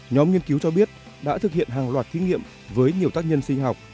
nhóm nghiên cứu cho biết đã thực hiện hàng loạt thí nghiệm với nhiều tác nhân sinh học